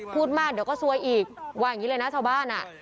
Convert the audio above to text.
พูดมากเดี๋ยวก็ซวยอีกว่าอย่างนี้เลยนะชาวบ้านอ่ะ